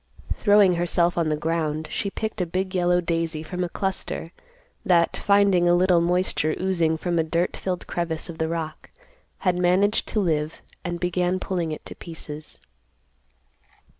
Throwing herself on the ground, she picked a big yellow daisy from a cluster, that, finding a little moisture oozing from a dirt filled crevice of the rock, had managed to live, and began pulling it to pieces.